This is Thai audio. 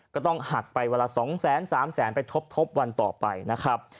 ก็ต้องหักไปวันละ๒๓แสนไปทบวันต่อไปนะครับ